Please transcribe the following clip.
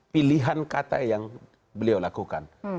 pilihan kata yang beliau lakukan